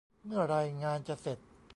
เมื่อไรงานจะเสร็จ